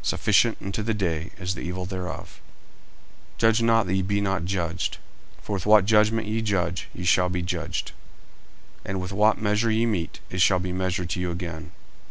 Sufficient unto the day is the evil thereof. 40:007:001 Judge not, that ye be not judged. 40:007:002 For with what judgment ye judge, ye shall be judged: and with what measure ye mete, it shall be measured to you again.